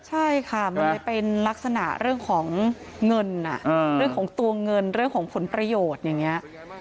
ใช่ค่ะมันเลยเป็นลักษณะเรื่องของเงินเรื่องของตัวเงินเรื่องของผลประโยชน์อย่างนี้